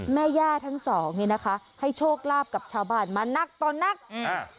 แม่ย่าทั้งสองนี่นะคะให้โชคลาภกับชาวบ้านมานักต่อนักอ่า